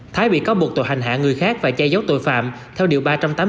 thái bị cáo buộc tội hành hạ người khác và che giấu tội phạm theo điều ba trăm tám mươi bốn